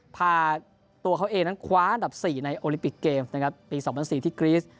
พาตัวเขาเองนั้นคว้าดับสี่ในโอลิปิกเกมส์นะครับปีสองพันสี่ที่กรี๊ส